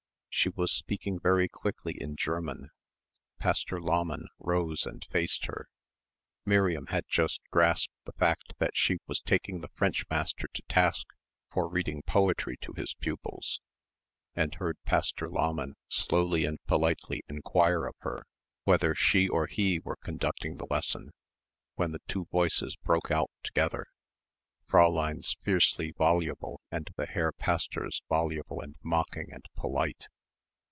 She was speaking very quickly in German. Pastor Lahmann rose and faced her. Miriam had just grasped the fact that she was taking the French master to task for reading poetry to his pupils and heard Pastor Lahmann slowly and politely enquire of her whether she or he were conducting the lesson when the two voices broke out together. Fräulein's fiercely voluble and the Herr Pastor's voluble and mocking and polite.